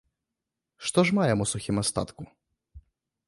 Што ж маем у сухім астатку?